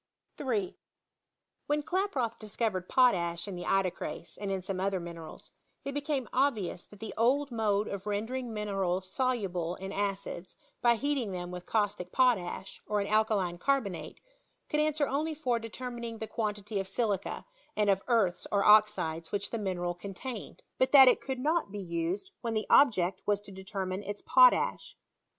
3. When Klaproth discovered potash in the ido« erase, and in some other minerals, it became obvious that the old mode of rendering minerals soluble in acids by heating them with caustic potash, or an alkaline carbonate, could answer only for deter mining the quantity of silica, and of earths or oxides^ which the mineral contained; but that it could not be used when the object was to determine its potash.